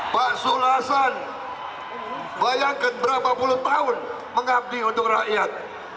pak sulasan bayangkan berapa puluh tahun mengabdi untuk rakyat